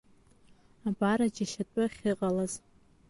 Абар аџьашьатәы ахьыҟалаз.